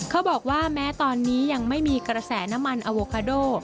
เขาบอกว่าแม้ตอนนี้ยังไม่มีกระแสน้ำมันอโวคาโด